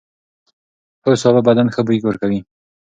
هو، سابه بدن ښه بوی ورکوي.